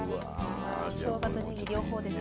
しょうがとねぎ両方ですね。